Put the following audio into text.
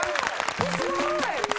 すごい！